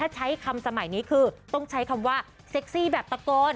ใช้คำสมัยนี้คือต้องใช้คำว่าเซ็กซี่แบบตะโกน